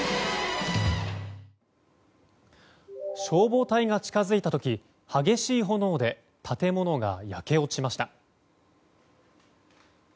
消防隊が近づいた時激しい炎で建物が焼け落ちました。